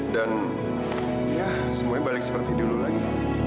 dan ya semuanya balik seperti dulu lagi